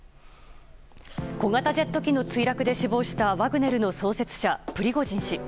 小型ジェット機の墜落で死亡したワグネルの創設者プリゴジン氏。